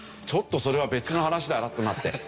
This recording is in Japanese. ちょっとそれは別の話だなとなって。